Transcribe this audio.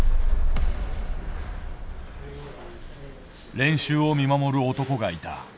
練習を見守る男がいた。